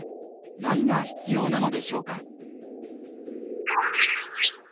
何が必要なのでしょうか？